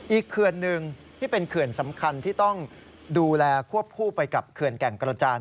เขื่อนหนึ่งที่เป็นเขื่อนสำคัญที่ต้องดูแลควบคู่ไปกับเขื่อนแก่งกระจาน